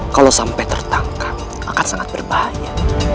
kalau sampai tertangkap akan sangat berbahaya